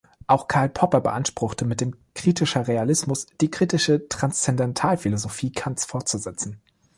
Auch Karl Popper beanspruchte, mit dem Kritischer Realismus die Kritische Transzendentalphilosophie Kants fortzusetzen.